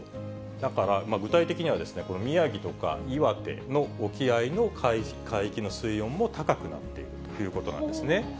だから、具体的には、この宮城とか岩手の沖合の海域の水温も高くなっているということなんですね。